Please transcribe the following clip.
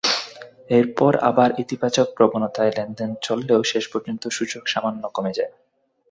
এরপর আবার ইতিবাচক প্রবণতায় লেনদেন চললেও শেষ পর্যন্ত সূচক সামান্য কমে যায়।